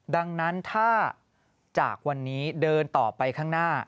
ดังนั้นถ้าจากวันนี้เดินต่อไปข้างหน้า